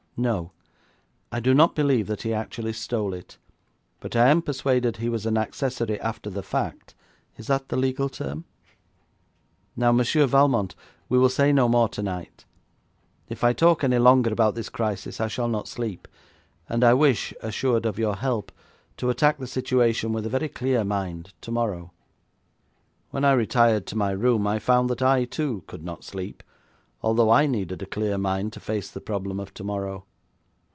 'No; I do not believe that he actually stole it, but I am persuaded he was an accessory after the fact is that the legal term? Now, Monsieur Valmont, we will say no more tonight. If I talk any longer about this crisis, I shall not sleep, and I wish, assured of your help, to attack the situation with a very clear mind tomorrow.' When I retired to my room, I found that I, too, could not sleep, although I needed a clear mind to face the problem of tomorrow.